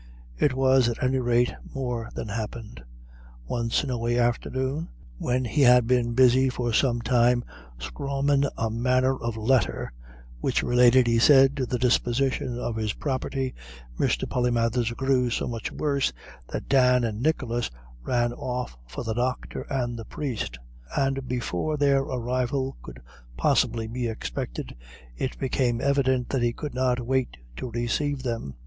It was, at any rate, more than happened. One snowy afternoon, when he had been busy for some time "scrawmin' a manner of letter," which related, he said, to the disposition of his property, Mr. Polymathers grew so much worse that Dan and Nicholas ran off for the Doctor and the Priest, and before their arrival could possibly be expected, it became evident that he could not wait to receive them.